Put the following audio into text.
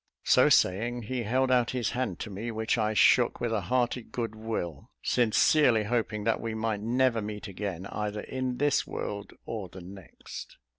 So saying, he held out his hand to me, which I shook with a hearty good will, sincerely hoping that we might never meet again, either in this world or the next.